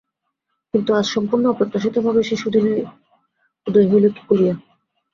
কিন্তু আজ সম্পূর্ণ অপ্রত্যাশিত ভাবে সে সুদিনের উদয় হইল কি করিয়া!